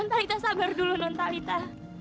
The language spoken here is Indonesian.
nontalita sabar dulu nontalita